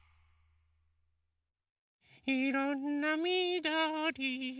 いろんなみどり。